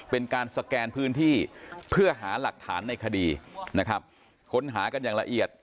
เป็นการสแกนพื้นที่เพื่อหาหลักฐานในคดีนะครับค้นหากันอย่างละเอียด